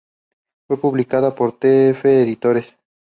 Fue publicada por Tf Editores.